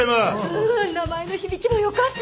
うん名前の響きもよかし。